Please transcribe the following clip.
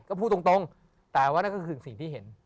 ก็พูดตรงแต่ว่านั่นก็คือสิ่งที่เห็น